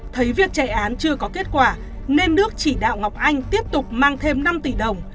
thấy việc chạy án chưa có kết quả nên đức chỉ đạo ngọc anh tiếp tục mang thêm năm tỷ đồng